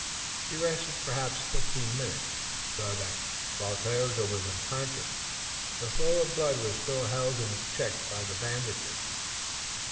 He rested perhaps fifteen minutes, and he saw that, while Tayoga was unconscious, the flow of blood was still held in check by the bandages.